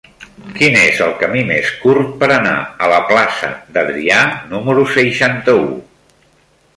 Quin és el camí més curt per anar a la plaça d'Adrià número seixanta-u?